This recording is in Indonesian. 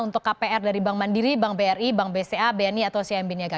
untuk kpr dari bank mandiri bank bri bank bca bni atau cmb niaga